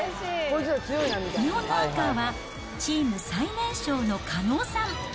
日本のアンカーは、チーム最年少の加納さん。